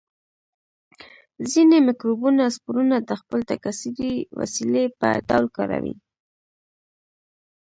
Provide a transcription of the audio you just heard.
ځینې مکروبونه سپورونه د خپل تکثري وسیلې په ډول کاروي.